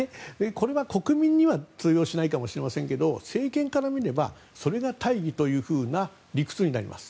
これは国民には通用しないかもしれませんが政権から見ればそれが大義というふうな理屈になります。